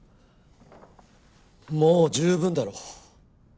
もう十分だろ。